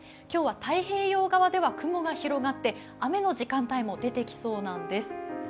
今日は太平洋側では雲が広がって雨の時間帯も出てきそうなんです。